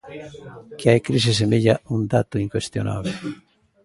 Que hai crise semella un dato incuestionable.